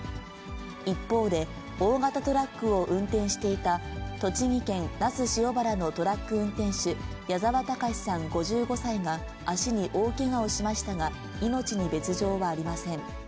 一方で、大型トラックを運転していた栃木県那須塩原のトラック運転手、矢澤隆志さん５５歳が足に大けがをしましたが、命に別状はありません。